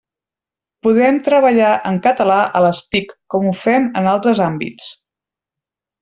Podem treballar en català a les TIC, com ho fem en altres àmbits.